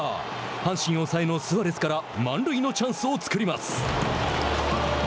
阪神抑えのスアレスから満塁のチャンスを作ります。